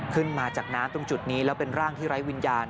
ขึ้นมาจากน้ำตรงจุดนี้แล้วเป็นร่างที่ไร้วิญญาณ